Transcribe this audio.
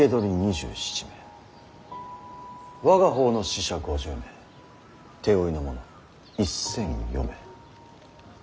我が方の死者５０名手負いの者１，０００余名。